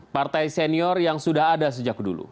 partai senior yang sudah ada sejak dulu